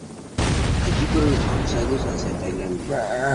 Allí fueron expulsados hacia Tailandia.